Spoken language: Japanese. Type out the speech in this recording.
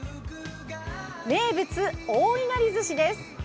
名物・大いなり寿司です。